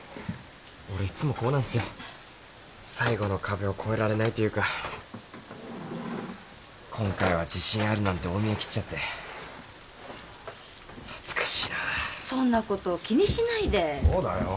俺いつもこうなんすよ最後の壁を越えられないというか今回は自信あるなんて大見え切っちゃって恥ずかしいなそんなこと気にしないでそうだよ